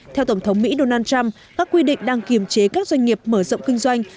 theo tổng thống mỹ donald trump các quy định đang kiềm chế các doanh nghiệp mở rộng kinh doanh